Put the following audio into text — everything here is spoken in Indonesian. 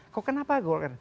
kok kenapa golkar